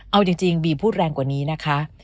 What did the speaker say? เอาจริงบีพูดแรงกว่านี้นะคะ